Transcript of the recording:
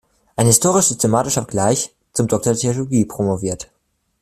Ein historisch-systematischer Vergleich" zum Doktor der Theologie promoviert.